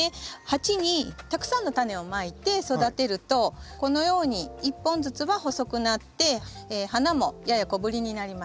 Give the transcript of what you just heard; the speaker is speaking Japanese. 鉢にたくさんのタネをまいて育てるとこのように１本ずつは細くなって花もやや小ぶりになります。